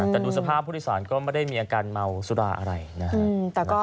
แต่ดูสภาพผู้โดยสารก็ไม่ได้มีอาการเมาสุราอะไรนะครับ